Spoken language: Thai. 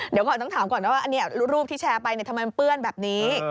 เดี๋ยวก่อนต้องถามก่อนว่าอันนี้รูปที่แชร์ไปทำไมมันเปื้อนแบบนี้